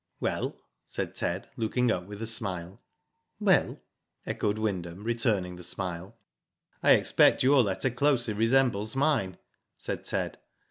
"Well?" said Ted, looking up with a smile. "Well?^' echoed Wyndham, returning the smile. I expect your letter closely resembles mine," said Ted.